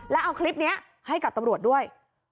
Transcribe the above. แล้วเอาคลิปนี้ให้กับตำรวจด้วย